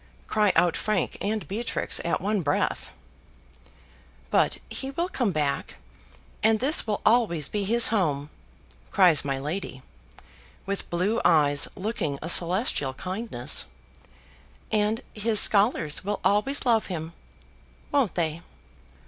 cry out Frank and Beatrix at one breath. "But he will come back: and this will always be his home," cries my lady, with blue eyes looking a celestial kindness: "and his scholars will always love him; won't they?"